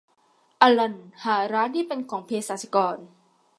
อัลลันหาร้านที่เป็นของเภสัชกร